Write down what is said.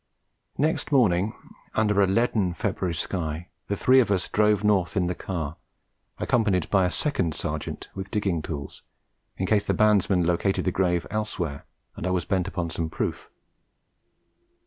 Next morning, under a leaden February sky, the three of us drove north in the car, accompanied by a second Sergeant with digging tools, in case the bandsman located the grave elsewhere and I was bent upon some proof.